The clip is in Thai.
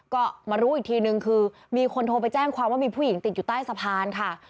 ก็มารู้อีกทีนึงคือมีคนโทรไปแจ้งความว่ามีผู้หญิงติดอยู่ใต้สะพานค่ะ